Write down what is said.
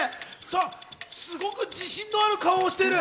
すごく自信のある顔をしている！